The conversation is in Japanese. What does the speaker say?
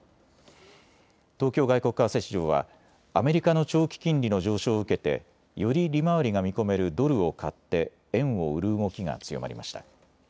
東京外国為替市場はアメリカの長期金利の上昇を受けてより利回りが見込めるドルを買って円を売る動きが強まりました。